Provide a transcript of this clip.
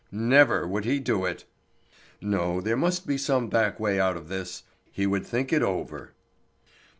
Never would he do it! No, there must be some back way out of this. He would think it over.